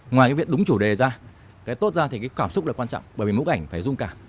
ngoài cái việc đúng chủ đề ra cái tốt ra thì cái cảm xúc là quan trọng bởi vì bức ảnh phải dung cảm